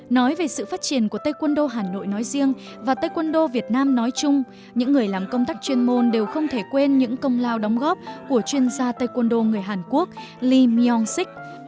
nói về sự phát triển của taekwondo hà nội nói riêng và taekwondo việt nam nói chung những người làm công tác chuyên môn đều không thể quên những công lao đóng góp của chuyên gia taekwondo người hàn quốc lee myong sik